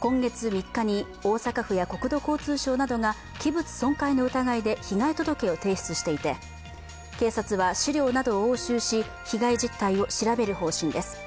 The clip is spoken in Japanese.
今月３日に大阪府や国土交通省などが器物損壊の疑いで被害届を提出していて、警察は資料などを押収し、被害実態を調べる方針です。